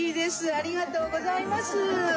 ありがとうございます。